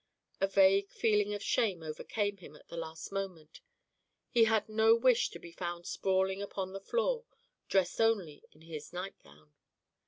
A vague feeling of shame overcame him at the last moment: he had no wish to be found sprawling upon the floor, dressed only in his night gown.